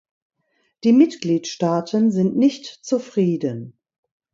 Die Mitgliedstaaten sind nicht zufrieden.